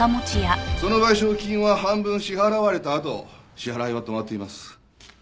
その賠償金は半分支払われたあと支払いは止まっています。